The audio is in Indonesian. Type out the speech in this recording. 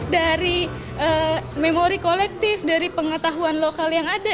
dari memori kolektif dari pengetahuan lokal yang ada